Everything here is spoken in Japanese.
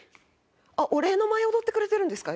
あっお礼の舞踊ってくれてるんですか？